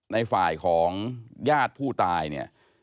ในฝ่ายของญาติผู้ตายเนี่ย